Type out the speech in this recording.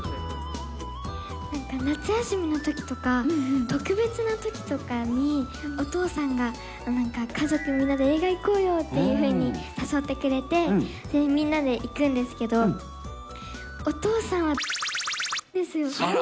なんか夏休みのときとか、特別なときとかに、お父さんがなんか、家族みんなで映画行こうよっていうふうに誘ってくれて、それでみんなで行くんですけど、お父さんは×××ですよ。